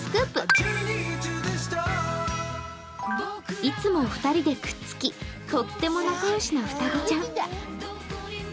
いつも２人でくっつきとっても仲良し名双子ちゃん。